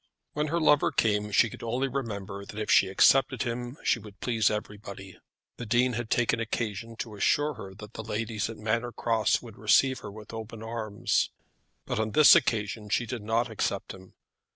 When her lover came, she could only remember that if she accepted him she would please everybody. The Dean had taken occasion to assure her that the ladies at Manor Cross would receive her with open arms. But on this occasion she did not accept him.